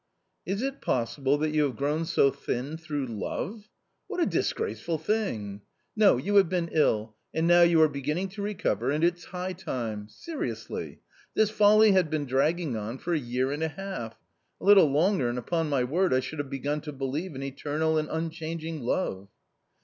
" Is it possible that you have grown so thin thro ugh love ? What a disgraceful thing ! No, yuiTTiave been iH,"and iTo"W you are beginning to recover ; and it's high time ! Seriously, this folly had been dragging on for a year and a half. A little longer, and upon my word, I should have begun to believe in eternal and unchanging love."